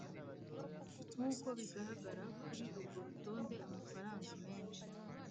Nk uko bigaragara kuri urwo rutonde amafaranga menshi